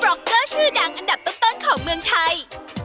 ็อกเกอร์ชื่อดังอันดับต้นของเมืองไทย